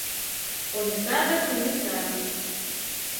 Ониса дык Ониса